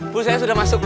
pulsa nya sudah masuk